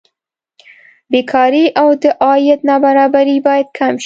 بېکاري او د عاید نابرابري باید کمه شي.